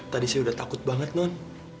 tadi saya sudah takut banget nuhun